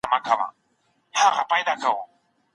دغه ورځې د ملت د شعور نښه ده.